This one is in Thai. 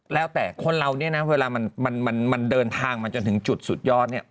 แล้วแต่คนเราเนี่ยนะเวลามันเดินทางมาจนถึงจุดสุดยอดเนี่ย